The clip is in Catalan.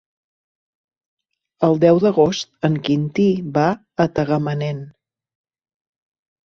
El deu d'agost en Quintí va a Tagamanent.